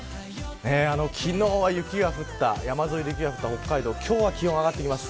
昨日は山沿いで雪が降った北海道は気温が上がってきます。